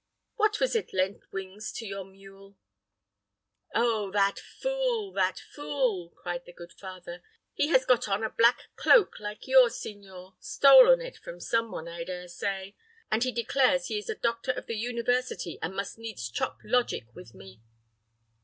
What was it lent wings to your mule?" "Oh, that fool, that fool!" cried the good father. "He has got on a black cloak like yours, signor stolen it from some one, I dare say and he declares he is a doctor of the university, and must needs chop logic with me."